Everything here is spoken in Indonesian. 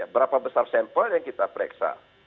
berapa besar sampel yang kita periksa